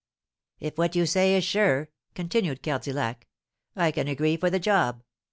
"If what you say is sure," continued Cardillac, "I can agree for the job.